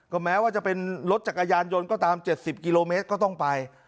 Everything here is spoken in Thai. แม้ว่าจะเป็นรถจักรยานยนต์ก็ตาม๗๐กิโลเมตรก็ต้องไป